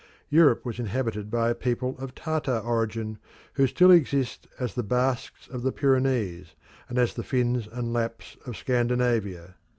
Europe was inhabited by a people of Tartar origin who still exist as the Basques of the Pyrenees, and as the Finns and Lapps of Scandinavia.